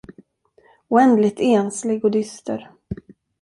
Oändligt enslig och dyster.